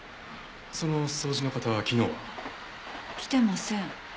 その掃除の方昨日は？来てません。